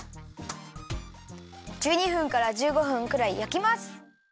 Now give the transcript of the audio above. １２分から１５分くらいやきます。